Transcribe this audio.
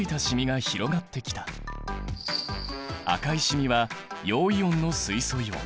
赤い染みは陽イオンの水素イオン。